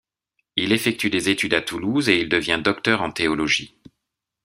Il effectue des études à Toulouse et il devient docteur en théologie.